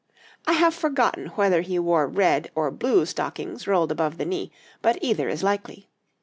I have forgotten whether he wore red or blue stockings rolled above the knee, but either is likely.